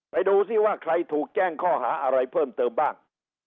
ดูสิว่าใครถูกแจ้งข้อหาอะไรเพิ่มเติมบ้าง